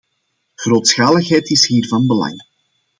Grootschaligheid is hier van belang.